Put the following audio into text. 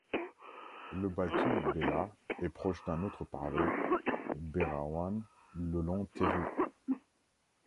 Le batu belah est proche d'un autre parler berawan, le long teru.